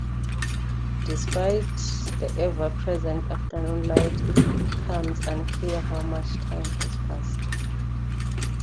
Despite the ever-present afternoon light, it becomes unclear how much time has passed.